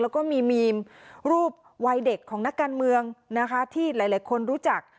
แล้วก็มีรูปวัยเด็กของนักการเมืองนะคะที่หลายคนรู้จัก